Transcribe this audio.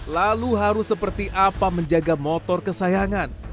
lalu harus seperti apa menjaga motor kesayangan